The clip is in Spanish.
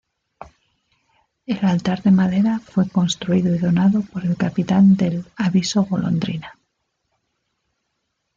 El altar de madera fue construido y donado por el capitán del Aviso Golondrina.